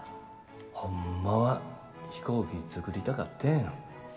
ほんまは飛行機作りたかってん。